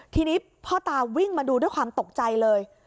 ทีนี้พ่อตาวิ่งมาดูด้วยความตกใจเลย